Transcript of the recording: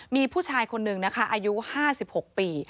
มีผู้ชายคนหนึ่งนะคะอายุ๕๖ปี